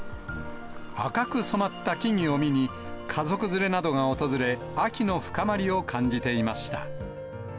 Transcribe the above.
赤く染まった木々を見に、家族連れなどが訪れ、秋の深まりを感じ